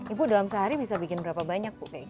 ibu dalam sehari bisa bikin berapa banyak bu